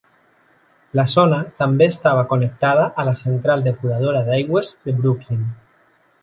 La zona també estava connectada a la central depuradora d'aigües de Brooklyn.